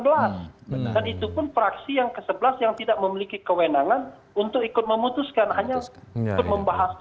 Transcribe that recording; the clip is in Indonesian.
dan itu pun fraksi yang ke sebelas yang tidak memiliki kewenangan untuk ikut memutuskan hanya ikut membahas saja